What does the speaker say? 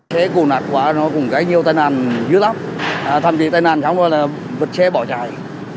xe cụ nát quá nó cũng gái nhiều tai nạn dữ lắm thậm chí tai nạn khó là vật xe bỏ chạy